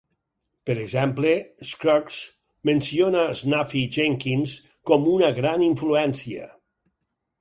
Per exemple, Scruggs menciona a Snuffy Jenkins com una gran influència.